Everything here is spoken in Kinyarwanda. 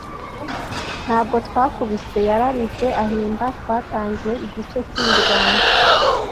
Ntabwo twakubise, yararize ahimba, twatangiye igice cyimirwano.